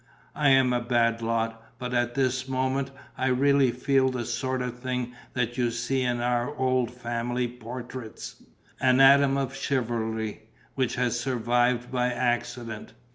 I am a bad lot, but at this moment I really feel the sort of thing that you see in our old family portraits, an atom of chivalry which has survived by accident.